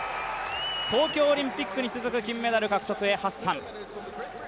東京オリンピックに続く金メダル獲得へ、ハッサン。